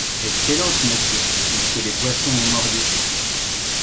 Excellente, monsieur, puisque les poissons ont mordu!